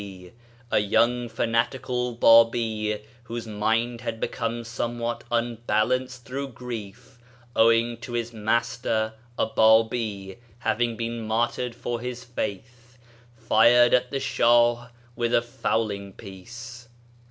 D., a young fanatical Babi whose mind had become somewhat unbalanced through grief — owing to his master, a Babi, having been martyred for his faith — fired at the Shah with a fowling piece.